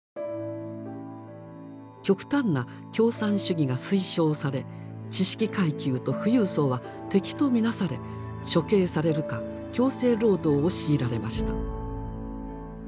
極端な共産主義が推奨され知識階級と富裕層は敵と見なされ処刑されるか強制労働を強いられました。